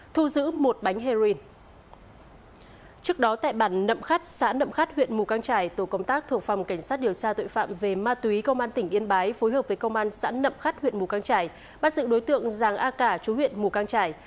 trước đó tại bản nậm khắt xã nậm khắt huyện mù căng trải tổ công tác thuộc phòng cảnh sát điều tra tội phạm về ma túy công an tỉnh yên bái phối hợp với công an xã nậm khắt huyện mù căng trải bắt giữ đối tượng giàng a cả chú huyện mù căng trải